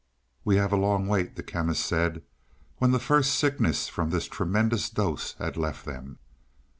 "We have a long wait," the Chemist said, when the first sickness from this tremendous dose had left them.